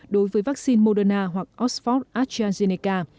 đối với vaccine moderna hoặc oxford astrazeneca